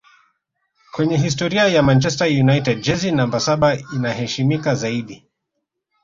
Kwenye historia ya manchester united jezi namba saba inaheshimika zaidi